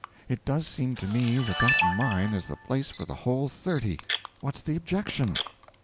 It does seem to me that that mine is the place for the whole thirty. What's the objection?"